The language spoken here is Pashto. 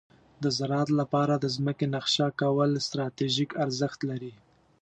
د زراعت لپاره د ځمکې نقشه کول ستراتیژیک ارزښت لري.